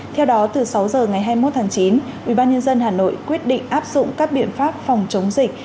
theo đó từ sáu giờ ngày hai mươi một tháng chín ubnd hà nội quyết định áp dụng các biện pháp phòng chống dịch